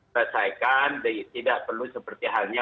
perasaikan tidak perlu seperti hanya